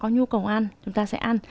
nhu cầu ăn chúng ta sẽ ăn